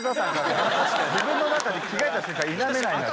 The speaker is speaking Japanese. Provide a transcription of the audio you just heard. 自分の中で着替えた瞬間否めないのよ。